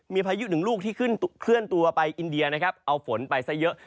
มีพายุหนึ่งลูกที่เคลื่อนตัวไปอินเดียนะครับเอาฝนไปซะเยอะ